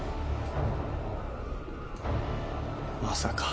まさか。